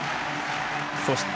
そして、